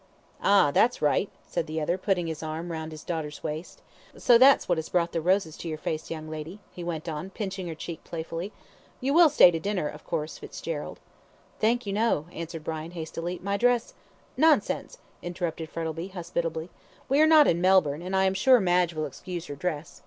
"Ah! that's right," said the other, putting his arm round his daughter's waist. "So that's what has brought the roses to your face, young lady?" he went on, pinching her cheek playfully. "You will stay to dinner, of course, Fitzgerald?" "Thank you, no!" answered Brian, hastily, "my dress " "Nonsense," interrupted Frettlby, hospitably; "we are not in Melbourne, and I am sure Madge will excuse your dress.